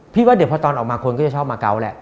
ว่าเดี๋ยวพอตอนออกมาคนก็จะชอบมาเกาะแหละ